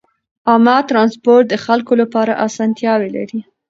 عامه ترانسپورت د خلکو لپاره اسانتیاوې لري.